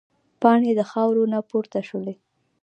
پاڼې د خاورو نه پورته شولې.